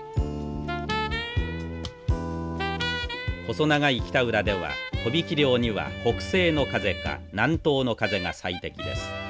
細長い北浦では帆引き漁には北西の風か南東の風が最適です。